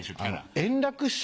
円楽師匠